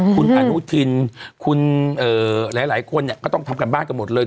คุณอาหนูธินหลายคนเนี่ยก็ต้องทำการบ้านกันหมดเลย